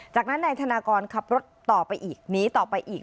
จากนั้นนายธนากรขับรถต่อไปอีกหนีต่อไปอีก